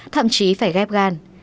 thậm chí phải ghép gan